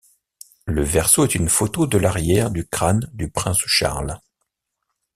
Le verso est une photo de l'arrière du crâne du prince Charles.